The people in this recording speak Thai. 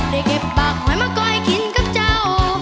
ได้เก็บบักไหวมาก่อยคิดกับเจ้า